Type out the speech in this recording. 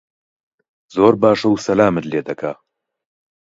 زۆر باشە و سەلامت لێ دەکا